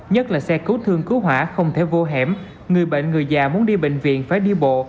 nhất là xe cứu thương cứu hỏa không thể vô hẻm người bệnh người già muốn đi bệnh viện phải đi bộ